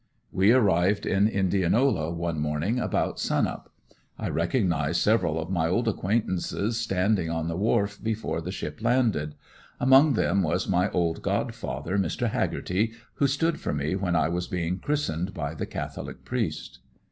We arrived in Indianola one morning about sun up. I recognized several of my old acquaintances standing on the wharf before the ship landed; among them was my old God father Mr. Hagerty, who stood for me when I was being christened by the Catholic priest.